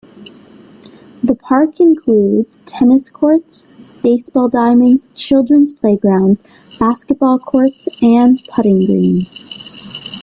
The park includes tennis courts, baseball diamonds, children's playgrounds, basketball courts, and putting greens.